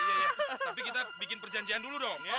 iya iya tapi kita bikin perjanjian dulu dong ya